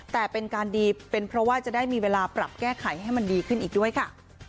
แต่เป็นการดีเป็นเพราะว่าจะได้มีเวลาปรับแก้ไขให้มันดีขึ้นอีกด้วยค่ะ